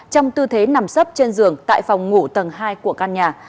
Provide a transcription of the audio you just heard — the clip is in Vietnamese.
trong tư thế nằm sấp trên giường tại phòng ngủ tầng hai của căn nhà